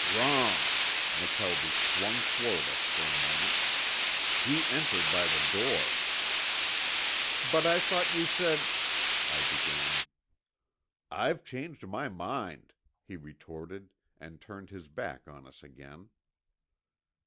"Wrong." McKelvie swung toward us for a moment. "He entered by the door." "But I thought you said " I began. "I've changed my mind," he retorted, and turned his back on us again.